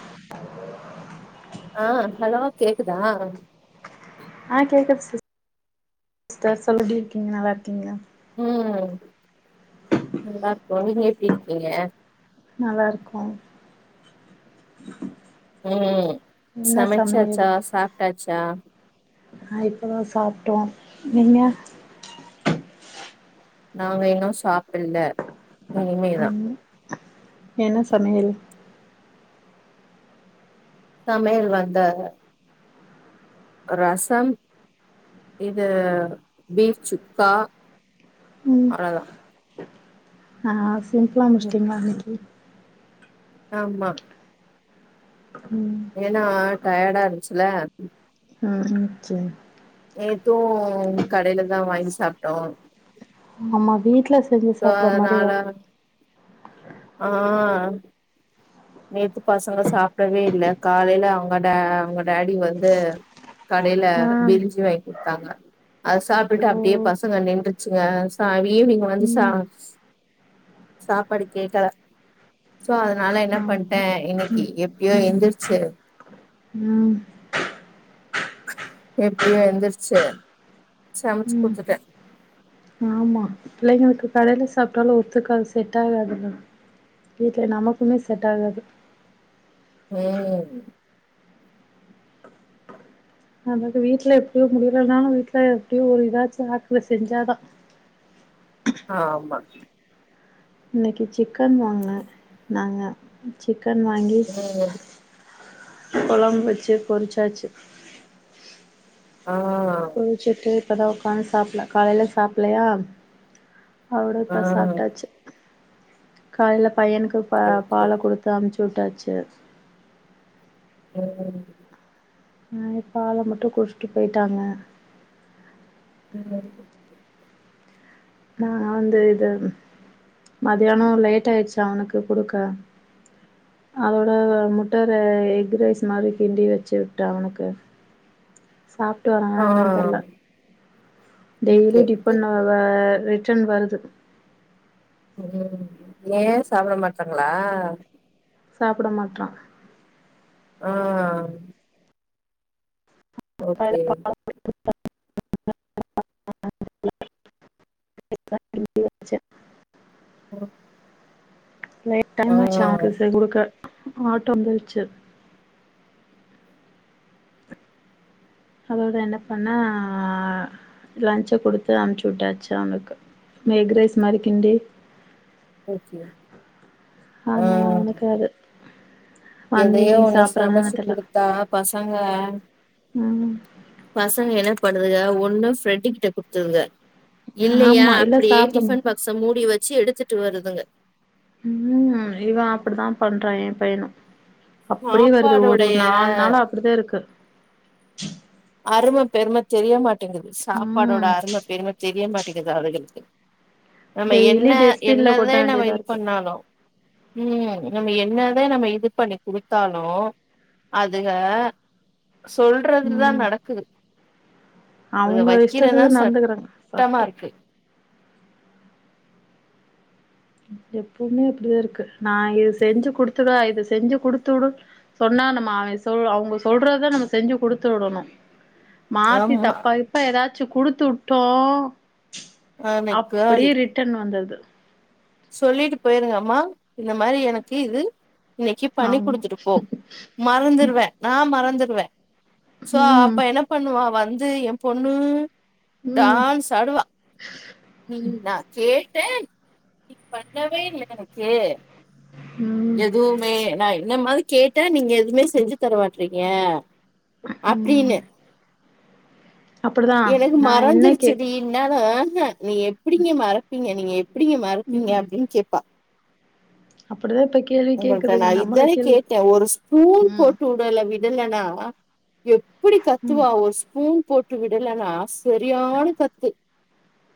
[inaudible] ஆஹ் hello கேக்குதா ஆஹ் கேக்குது சிஸ் [unintelligible] இருக்கீங்க நல்லா இருக்கீங்ள உம் நல்லா இருக்கூ நீங்க எப்டி இருக்கீங்க நல்லா இருக்கூ உம் சமைச்சாச்சா சாப்ட்டாச்சா ஆஹ் இப்பதான் சாப்ட்டோம் நீங்க நாங்க இன்னும் சாப்டல இனிமேதா ம் என்ன சமையல் சமையல் வந்து ரசம் இது பீஃப் சுட்க்கா அவ்ளதான் ஆஹ் சிம்பிளா முச்சிட்டட்டீங்களா இன்னைக்கு ஆமா ம் ஏனா டயர்டா இருந்துச்சுல உஹம் செரி நேத்தும் கடைல இருந்து தான் வாங்கி சாப்ட்டோ ஆமா வீட்ல செஞ்சு சோ சாப்பற மாரி வர் ஆஹ் நேத்து பசங்க சாப்டவே இல்ல காலைல அவங்க அவங்க டேடி வந்து கடைல ஆ விரிஞ்சி [unintelligible] வாங்கி குடுத்தாங்க அத சாப்பிட்டுட்டு ஓ அப்டியே பசங்க நின்றுச்சுங்க ஈவினிங் வந்து ச ம் சாப்பாடு கேகல சோ அதனால என்ன பண்டே ஆமா இன்னைக்கு எப்பயோ ம் எந்திருச்சு ம் எப்படியோ எந்தருச்சு சமச்சு ம் குடுத்துட்டே ஆமா பிள்ளைங்களுக்கு கடைல சாப்ட்டாலும் ஒத்துக்காது செட் ஆகாதுல்ல வீட்டுல நமக்குமே செட் ஆகாது உஹம் அதக்கு வீட்ல எப்டியோ முடியலைனாலும் வீட்ல எப்டியோ ஒரு ஏதாச்சும் [unintelligible] செஞ்சாதான் ஆஹ் ஆமா இனைக்கி க்கன் வாங்குன நாங்க செர் சிக்கன் வாங்கி ம் கொழம்பு வச்சு பொருச்சாச்சு ஆ பொருச்சுட்டு இப்போதான் உட்காந்து சாப்பல காலைல சாப்பலையா [unintelligible] ஆ இப்ப சாப்ட்டாச்சு காயல பையனுக்கு ஓகே பால கொடுத்த அம்ச்சு சோட்டாச்ச [unintelligible] உம்ம் ஆஹ் பால மட்டும் குடிச்சுட்டு போயிட்டாங்க ம் நா வந்து இது மத்தியானோ லேட் ஆயிடுச்சு அவனுக்கு குடுக்க அதோட முட்டார எக் ரைஸ் மாரி கிண்டி வச்சு விட்டே அவனுக்கு சாப்ட்டு வரணா ஆ என்னன்னு தெர்ல டெய்லி ஓகே ஓகே டிப்பண்ட ரிட்டன் வருது உம் ஏன் சாப்ட மாட்டறங்களா சாப்ட மாட்டறான் ஆஹ் ஓகே [inaudible] [inaudible] ஆ [inaudible] குடுக்க ஆ ஆட்டோ வந்துருச்சு அதோட என்ன பண்ணே லன்ச கொடுத்து அனுப்ச்சு விட்டாச்சு அவக்கு எக் ரைஸ் மாதிரி கிண்டி ஓகே அதனால ஆஹ் அவனுக்கு அது வந்து எதையோ ஈவினிங் ஒன்னு சாப்ட்றானா சமைச்சு என்னன்னு தெர்ல குடுத்தா பச சங்க ம் பசங்க என படுதுங்க ஒன்னும் ஃப்ரெண்ட கிட்ட கொடுத்ததுங்க இல்லையா ஆமா இல்ல அப்டியே சாப்ட மாட் டிஃபன் பக்ஸ மூடி வச்சு எடுத் வச்சட்டு வருதுங்க உம் இவன் அப்டித்தான் பண்றான் என் பையனும் அப்டியே வருது ஒரு சாப்பாடோடைய நாலு நாளா அப்டிதான் இருக்கு அரும பெரும தெரிய மாட்ட டிங்குது சாப்பாடோட ம் அரும பெரும தெரிய மாட்டே [unintelligible] நம்ம டெய்லி என்ன டஸ்ட்பின்ல கொட்ட என்னதான் நம்ம வேண்டியதா இது இருக்கு பண்ணாலு உம் நம்ம என்னதான் நம்ம இது பண்ணி குடுத்தாலு அதுக சொல்றதுதான் நட் அவுங்க இஷ்டத்துல வைக்கிறதா தான் நடந்துக்கறாங்க சட்டமா சட்டோ இருக்கு எப்பவுமே அப்டிதான் இருக்கு நான் இது செஞ்சு குடுத்துட இதை செஞ்சு குடுத்து விடு சொன்னா நம்ம அவ சொ அவங்க சொல்றதான் நம்ம செஞ்சு குடுத்து விடணு மாத்தி ஆமா தப்பா இப்ப ஏதாச் ச்சு குடுத்துட்டோ ஆன அப்டியே காலி ரிட்டன் வந்தது சொல்லிட்டு போயிருங்க மா இந்த மாரி எனக்கு இது இன்னைக்கு பண்ணி ஆமா கொடுத்துட்டுபோ மறந்துருவே நான் மறந்து வ [unintelligible] சோ அப்ப ம் என்ன பண்ணுவா வந்து என் பொண்ணு ம் தான் சடுவா உம் நான் கே [unintelligible] நீ பண்ணவே இல்ல எனக்கு ம் எதுவுமே நான் என்ன மாரி கேட்டா நீங்க எதுவுமே செஞ்சு தரமாட்டறீங்க ம் அப்டின்னு அப்படிதான் எனக்கு நான் என்ன கேக் மறஞ்சிருச்சுடி என்னான [unintelligible] நீ எப்டிங்க மறப் ப்பங்க நீங்க அப்டிங்க மறக்கீங்க அப்டின்னு கேப்பா அப் உங்கள்ட்ட நான் இத்தானே கேட்டே ஒரு ஸ்பூன் ம் போட்டுவுடல விட்டு [unintelligible] எப்டி கத்துவா ஒரு ஸ்பூன் போட்டு விடலானாஸ் செரியான கத்து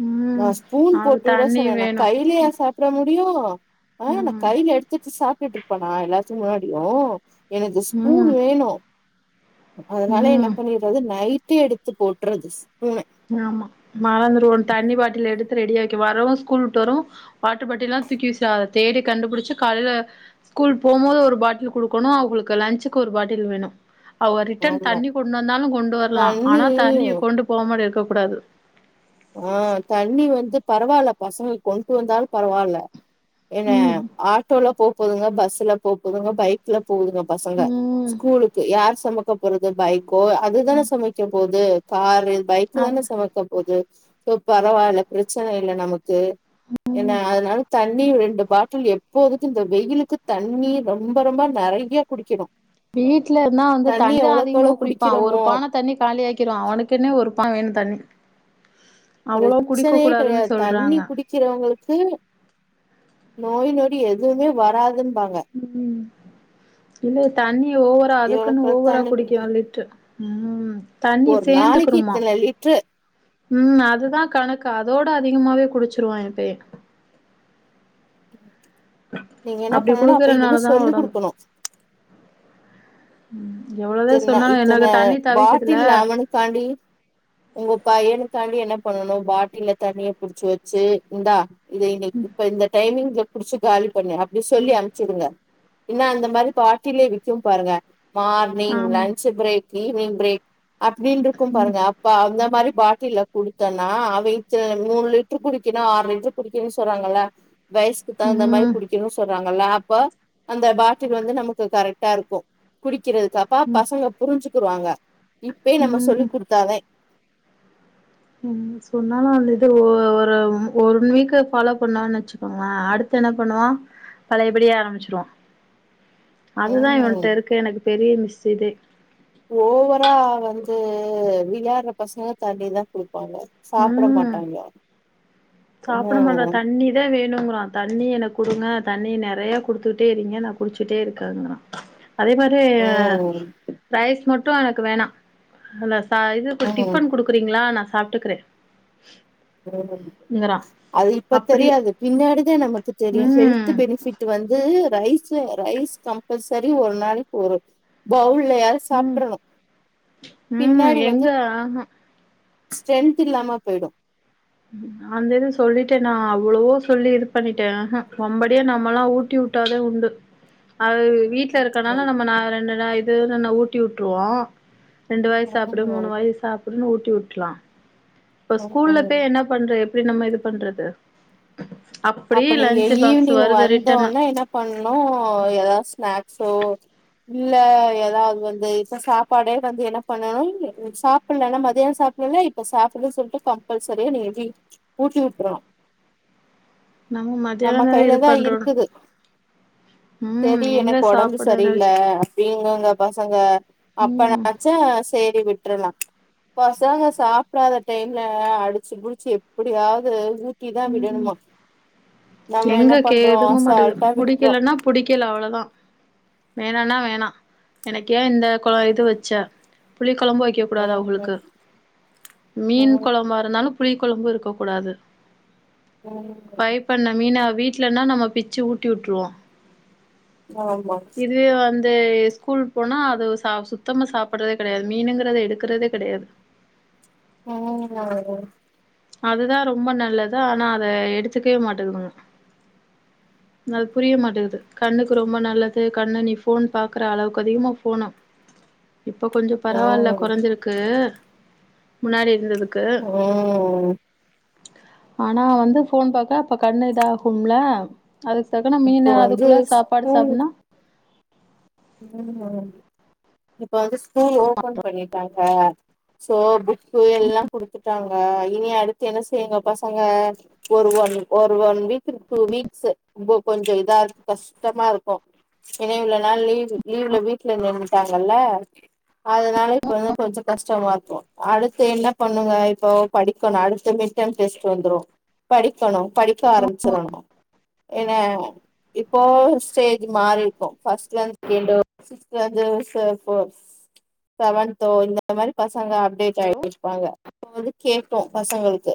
ம் நான் ஸ்பூன் அவனுக்கு போட்டு விட தண்ணி சொன்னேன் நான் வேணு கைலயா சாப்ட ரியா [unintelligible] ஆஹ் நா ம் கைல எடுத் சாப்பிட்டுட்ருப்பனா எல்லாத்துக்கும் முன்னாடியும் எனக்கு ஸ்பூன் ம் வேணும் அதனால என்ன ம் பண்ணிட்றது நைட் ட்டே எடுத்து போட்றது ஸ்பூன ஆமா மறந்திருவோம் தண்ணி பாட்டில் எடுத்து ரெடியாக்கி வரவும் ஸ்கூல் விட்டு வரவும் வாட்டர் பாட்டில்லாம் தூக்கி வீசிர்வா அதை தேடி கண்டுபிடிச்சு காலையில ஸ்கூல் போம்போது ஒரு பாட்டில் குடுக்கணும் அவுகளுக்கு லஞ்சுக்கு ஒரு பாட்டில் வேணும் அவ ரிட்டன் ஆமா தண்ணி கொண்டு வந்தாலும் கொண்டு வரலாம் தண்ணி ஆனா தண்ணிய கொண்டு போக முடிய க்க கூடாது ஆஹ் தண்ணி வந்து பரவால பசங்க கொண்ட்டு வந்தாலும் பரவால என்ன ம் ஆட்டோல போ போதுங்க பஸ்ல போ போதுங்க பைக்ல போகுதுங்க பசங்க ம் ஸ்கூலுக்கு யார் செமப் க்கபோறது போ அதுதானே சமைக்க போது கார் பைக்கு அது தான சுமக்க போகுது இப்போ பரவால்ல பிரச்சனை இல்ல நமக்கு ஏன்னா அதனால தண்ணி ரெண்டு பாட்டில் எப்போதுக்கும இந்த வெயிலுக்கு தண்ணி ரொம்ப ரொம்ப ரொம்ப நெறைய குடிக்கணும் வீட்ல இருந்தா வந்து தண்ணிதான் அதிகமா எவ்ளோ குடிப்பான் ஒரு குடிக்கிறோமோ பானை தண்ணி காலியாக்கிருவான் அவனுக்குன்னே ஒரு பான் வேணும் தண்ணி அவ்ளோ குடிக்க பிரச்சனையே கூடாதுன்னு கெடையாது தண்ணி சொல்றாங்க குடிக்கிறவங்களுக்கு நோய் நொடி எதுவுமே வராதுன் உம் இல்ல தண்ணிய ஓவரா எவ்வளவுக்கு அதுக்குன்னு எவ்ளோ ஓவரா தண்ணி குடிக்கும் குடிக்க லிட்ரு உம் தண்ணி ஒரு நாளைக்கு சேந்துக்குருமா இத்தன லிட்டர் உம் அதுதான் கணக்கு அதோட அதிகமாவே குடிச்சிருவான் என்பெய்ய நீங்க என்ன பண்ணனும் அப்ப இனிமே குடுக்கறனாலதா ஒடம்பு சொல்லிகுடுக்கணும் ம் எவ்ளோதா இத்தனை சொன்னாலு எனக்கு இத்தனை தண்ணி தவிக்குதுல பாட்டில் அவனுக்காண்டி உங்க பையனுக் காண்டி என்ன பண்ணனும் பாட்டில்ல தண்ணிய புடிச்சு வச்சு இந்தா இது எங்கள்க்கு இப்ப இந்த டைமிங் குடிச்சி காலி பண்ணு அப்டி சொல்லி அம்சிடுங்க இன்ன அந்த மாரி பாட்டிலயே விக்கும் பாருங்க மா நீங் ஆமா லஞ்ச் ப்ரேக் ஈவ்னிங் ப்ரேக் அப்டின்றுக்கும் பாருங்க அப்ப அந்த இந்த மாரி பாட்டில்ல குடுத்தேன்னா [unintelligible] மூணு லிட்ரு குடிக்கணு ஆறு லிட்ரு குடிக்கணு சொன்னாங்கல்ல வயஸ்க்கு தகுந்த மாரி ம் குடிக்கணு சொ னாங்கல்ல அப்ப அந்த பாட்டில் வந்து நமக்கு கரெக்டா இருக்கு குடிக்கறது பா ம் பசங்க புரிஞ்சு குருவாங்க இப்பய நம்ம சொல்லி ம் குடுத்தா தா உம் சொன்னாலு அந்த இது ஒரு ஒன் வீக்கு ஃபாலோ பண்ணானு வச்சுக்கோங்களேன் அடுத்து என்ன பண்ணுவான் பழையபடி ஆரம்ச்சருவான் அதுதா ம் இவன்ட்ட இருக்கு எனக்கு பெரிய மிஸ் சிதே ஓவரா வந்து விளாட்ற பசங்க தாண்டி தா போ உம் சாப்ட மாட்டா ம் தண்ணி தா வேணுங்கிறான் தண்ணி எனக்கு குடுங்க தண்ணி நெறைய குடுத்துகிட்டே இரிங்க நா குடிச்சுட்டே இருக்கேங்கறான் அதே மாரி ம் ரைஸ் மட் இப்ப எனக்கு வேணாம் [unintelligible] தா இது இப் ம் டிபன் குடுக்குறீங்களா நா ச சாப்ட்டுகறே உம் ங்கிறா அது இப்ப அப்டி தெரியாது பின்னாடி தா நமக்கு தெரியும் ஹெல்த் ம் பெனிஃபிட் வந்து ரைஸ் ரைஸ் கம்பல்சரி ஒரு நாளைக்கு ஒரு பவுல் [unintelligible] ம் சாப்ட்ரணும் ம் பின்னாடி வந்து எங்க ஆஹா ஸ்ட்ரென்த் இல்லாம போய்டும் அந்த இது சொல்லிட்டே நா அவ்வளவோ சொல்லி இது பண்ணிட்டே உஹம் வம்படியா நம்மல்லா ஊட்டி விட்டா தா உண்டு அவரு வீட்ல இருக்கனால நம்ம நா ரெண்டு நா [unintelligible] ஊட்டி விட்டுருவோ ரெண்டு வாய் சாப்டு மூணு வாய் சாப்டுன்னு ஊ விட்லாம் இப்ப ஸ்கூல்ல இப்ப என்ன பண்றே இப்டி நம்ம இது பண்றது அப்டி அப்ப நீங்க லன்ச் பாக்ஸ் ஈவினிங் வருது ரிட்டன்னு வந்தோனே என்ன பண்ணனு ஏதாது ஸ்நாக் சோ இல்ல ஏதாது வந்து இப்ப சாப்பாடே வந்து என்ன பண்ணணு சாப்பலன்னா மத்தானம் சாப்படல ல இப்ப சாப்டு சொல்ட்டு கம்பல்சரியா நீங்க கீ ஊட்டி விட்றனு மத்தியானோ நம்ம தான கைல இது தா பண்றோன்னு இருக்குது ம் சரி எங்க எனக்கு உடம்பு சாப்பிட சரில்ல நெனச்ச அப்டிம்பாங்க பசங்க ம் அப்பனாச்சு சேரி விட்டுரலா பசங்க சாப்டாத டைம்ல அடிச்சு படிச்சு எப்டியாது இதான் ம் விடனுமா எங்க கே எதுங்க மாட்டேது விட்றோ புடிக்கலன்னா புடிக்கல அவ்வளவுதான் வேணானா வேணா எனக் ஏன் இந்த குழ இது வச்சா புலக் குழம்பு வைக்க கூடாது ம் அவங்களுக்கு மீன் ம் குழம்பா இருந்தாலும் புளி குழம்பு இருக்க கூடாது ம் ம் பிரய் பண்ண மீனாக வீட்லன்னா நம்ம பிச்சு ஊட்டி விட்டுருவோம் ஆமா இந்த ஸ்கூல் போனா அது சுத்தமா சாப்பிடுறதே கிடையாது மீனுங்கறத எடுக்கறதே கிடையாது உம் ஆ அதுதான் ரொம்ப நல்லது ஆனா அத எடுத்துக்கவே மாட்டேதுங்க அது புரிய மாட்டேங்கது கண்ணுக்கு ரொம்ப நல்லது கண்ணு நீ போன் பாக்குற அளவுக்கு அதிகமா போனும் இப்ப கொஞ்சம் பரவாயில்ல ம் குறைஞ்சிருக்கு முன்னாடி இருந்தது உம் ஆனா வந்து போன் பாக்க அப்ப கண்ணு இத ஆாகும்ல அதுக்கு தக்குன்ன மீன் இப்போ வந்து அதுக்குள்ள சாப்பாடு சாப்பனா உம் உம் இப்ப வந்து ஸ்கூல் ஓபன் பண்ணிட்டாங்க ஆஹ் சோ எல்லாம் கொடுத்துட்டாங்க இனி அடுத்து என்ன செய்யுங்க பசங்க ஒரு ஒன் ஒரு ஒன் வீக் டூ வீக்ஸ் கொஞ்சம் இதாக்கு கஷ்டமா இருக்கும் ஏன இவ்ளவுனால் லீவ் லீ்வுல வீட்டுலந்துட்டாங்கல்ல அதனால இப்ப வந்து கொஞ்சம் கஷ்டமா இருக்கும் அடுத்து என்ன பண்ணுங்க இப்போ படிக்கணும் அடுத்து மிட்டேர்ம் வந்துறோம் படிக்கணும் படிக்க ஆரம்பிச்சிடணும் ஏனா இப்போ ஸ்டேஜ் மாறிக்கும் பஸ்ட்டுல இ வன்த இந்த மா [unintelligible] ங்க அப்டேட் ஹலோ ஆயிருப்பாங்க து கேட்போம் பசங்களுக்கு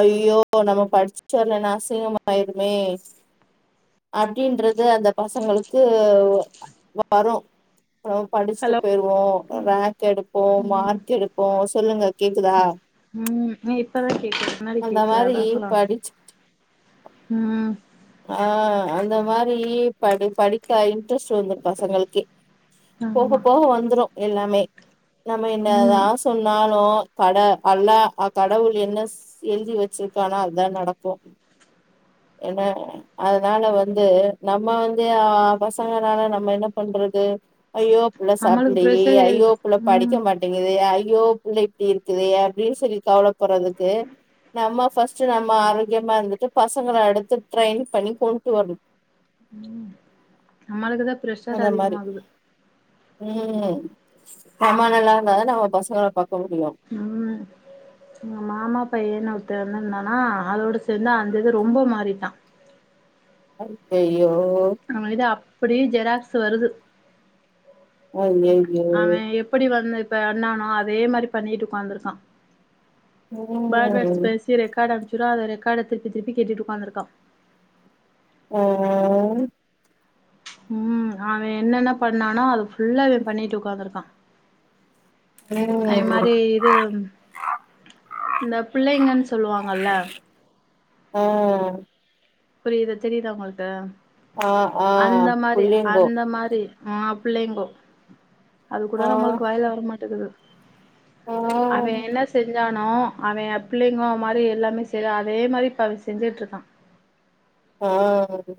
ஐயோ நம்ம படிச்ச வரலன்னா அசிங்கமயிருமே அப்படின்றது அந்த பசங்களுக்கு வறம் அப்புறம் படிச்சுட்டு ஹலோ போயிருவோம் ரேங்க் எடுப்போம் ம் மார்க் எடுப்போம் சொல்லுங்க கேக்குதா ம் இப்பதா கேக்குது முன்னாடி அந்த கேக்கல அதா மாதிரி சொல்ல படிச்சு ம் ஆஹ் அந்த மாதிரி படி படிக்க இன்ட்ரெஸ்ட் வந்து பசங்களுக்கே போக ஆமா போக வந்துரும் எல்லாமே நம்ம ம் என்னதான் சொன்னாலும் கட அல்ல கடவுள் என்ன எல்தி வச்சிருக்கானா அதான் நடக்கும் என்ன அதனால வந்து நம்ம வந்து ஆ பசங்கனால நம்ம என்ன பண்றது ஐயோப்புள்ள நம்மளுக்கு சாப்பிடலயே ப்ரெஷர் ஏறுது ஐயோப்புள்ள படிக்க ம் மாட்டேங்குதே ஐ யோப்புள்ள இப்டி இருக்குதே அப்டின்னு சொல்லி கவலைப்பறதுக்கு நம்ம ஃபர்ஸ்ட்டு நம்ம ஆரோக்கியமா இருந்துட்டு பசங்கள அடுத்து ட்ரைன் பண்ணி கொண்ட்டு வருனும் உம் நம்மளுக்குதான் பிரஷர் அதிகமாகுது உம் நம்ம நல்லா இருந்தாதான் நம்ம பசங்கள பாக் உஹம் உங்க மாமா பையன்ன தன் வந்திருந்தானா அதோடு சேந்து அந்த இது ரொம்ப மாறிட்டான் அருப்பேயி யோ அப்படியே ஜெராக்ஸ் வருது அய்யய்யோ அவன் எப்படி வந்து இப்ப பன்னானோ அதே மாரி பண்ணிட்டு உக்காந்துருக்கான் ம் பேட் வேட்ஸ் ம் பேசி ரெக்கார்ட் அனு சுறா அத ரெக்கார்ட திருப்பி திருப்பி கேட்டுட்டு உக்காந்துருக்கான் ஓ ஓ ஓ உம் அவன் என்னென்ன பண்ணானோ அது ஃபுல்லா இவன் பண்ணிட்டு உக்காந்துருக்கான் அய மாரி இது இந்த புள்ளைங்கன்னு சொல்லுவாங்கல்ல ஓ புரியுது தெரியுதா உங்களுக்கு ஆஹ் ஆஹ் புள்ளிங்கோ ஆஹ் புள்ளைங்கோ அது கூட ஆ நம்மளுக்கு வாயில வரமாட்டிகுது ஆ அவன் என்ன செஞ் ஞ்சானோ அவன் அப்பிள்ளைங்கோ மாரி எல்லாமே செய்ற அதே மாரி இப்ப அவன் செஞ்சுட்டு இருக்கான் ஆஹ்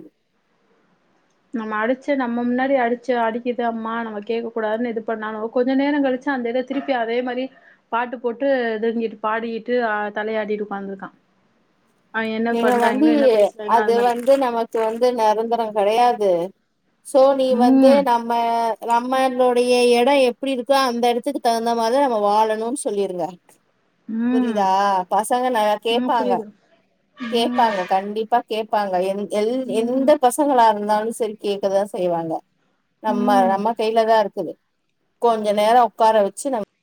நம்ம அடிச்சு நம்ம முன்னாடி அடிச்சு அடிக்குது அம்மா நம்ம கேக்க கூடாதுன்னு இது பண்ணாலும் கொஞ்ச நேரம் கலிச்சி அந்த இத திருப்பி அதே மாரி பாட்டு போட்டு இதுங்கிட்டு பாடிட்டு ஆ தலையாடிட்டு உக்காந்துருக்கான் நீங்க வந்து அது மாரி வந்து நமக்கு வந்து நெரந்தரம் கெடயாது து சோ நீ வந்து ம் நம்ம ரம்மனுடைய எடம் எப்டி இருக்கோ அந்த எடத்துக்கு தகுந்த மாதிரி நம்ம வாலணம்னு சொல்லிருங்க ம் புரியுதா பசங்க நா ம் கேப்பாங்க புரியுது கேப்பாங்க கண்டிப்பா கேப்பாங்க என் எல் எந்த ம் ம் பசங்களா ருந் ந்தாலும் சரி கேக்கதான் செய்வாங்க நம்ம ம் நம்ம கைய்ல தான் இருக்குது கொஞ்ச நேரம் உக்கார வச்சு நம்ம